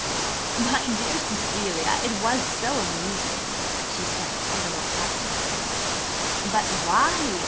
"My dear Cecilia, it was so amusing," she said, a little patronizingly. "But why!